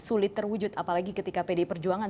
sulit terwujud apalagi ketika pdi perjuangan